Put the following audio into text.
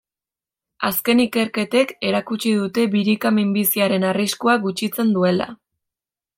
Azken ikerketek erakutsi dute birika minbiziaren arriskua gutxitzen duela.